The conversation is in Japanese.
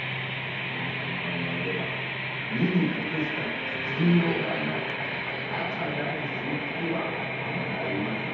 この看板があれば荷に隠した神陽丸などあらためられる心配はございません。